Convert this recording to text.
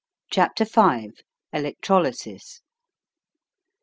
CHAPTER V. ELECTROLYSIS.